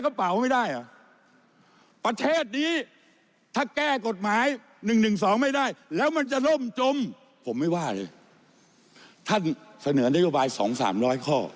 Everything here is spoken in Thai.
ท่านเสนอได้โบราณ๒๓๐๐ข้อ